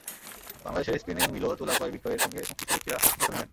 বাংলাদেশের স্পিনিং মিলও তুলা ক্রয় বিক্রয়ের সঙ্গে সংশ্লিষ্ট ব্যক্তিরা অংশ নেবেন।